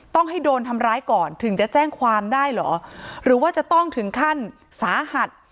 ต้องให้โดนทำร้ายก่อนถึงจะแจ้งความได้เหรอหรือว่าจะต้องถึงขั้นสาหัส